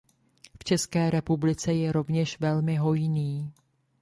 V České republice je rovněž velmi hojný.